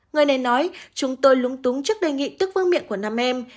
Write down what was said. người này nói chúng tôi lúng túng trước đề nghị tức vương miệng của năm em